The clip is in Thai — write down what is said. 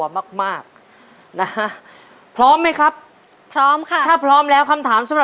ผลงานเรื่องอะไรที่หนูชอบมากที่สุด